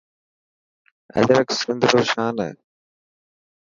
اجرڪ سنڌ رو شان هي.